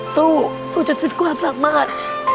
สู้สู้จนสุดความสามารถ